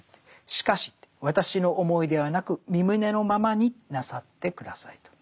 「しかしわたしの思いではなくみ旨のままになさってください」と。